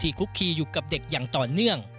คุกคีอยู่กับเด็กอย่างต่อเนื่อง